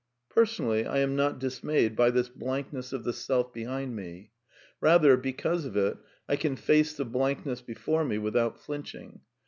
Personally, I am not dismayed by this blankness of the CONCLUSIONS 319 self behind me. Bather^ because of it, I can face the blank* ness before me without flinching.